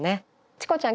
チコちゃん